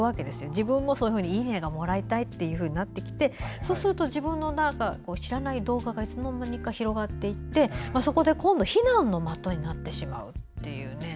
自分も「いいね！」がもらいたいというふうになってきて、そうすると自分の知らない動画がいつの間にか広がっていて、そこで今度非難の的になってしまうという。